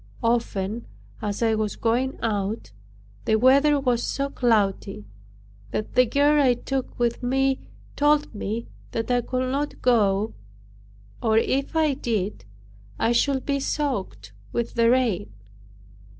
Often, as I was going out, the weather was so cloudy, that the girl I took with me told me that I could not go; or if I did, I should be soaked with the rain.